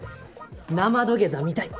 ナマ土下座見たい！